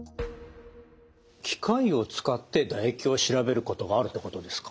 機械を使って唾液を調べることがあるってことですか？